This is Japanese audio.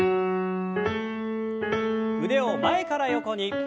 腕を前から横に。